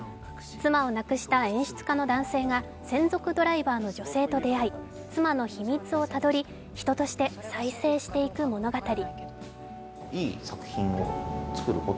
妻を亡くした演出家の男性が専属ドライバーの女性と出会い妻の秘密をたどり、人として再生していく物語。